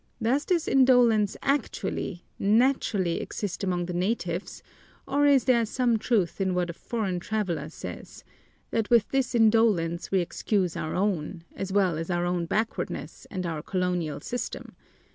Does this indolence actually, naturally, exist among the natives or is there some truth in what a foreign traveler says: that with this indolence we excuse our own, as well as our backwardness and our colonial system.